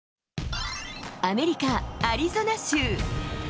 アメリカ・アリゾナ州。